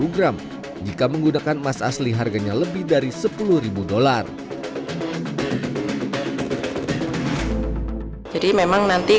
satu ratus delapan puluh gram jika menggunakan emas asli harganya lebih dari sepuluh dollar jadi memang nanti